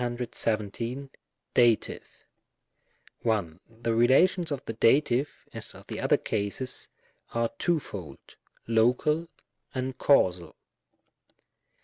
Dative. 1. The relations of the Dat., as of the other cases, are twofold — Local and Causal.